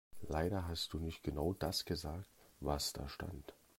Leider hast du nicht genau das gesagt, was da stand.